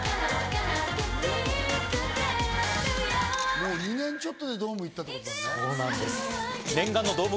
もう２年ちょっとでドーム行ったってことね。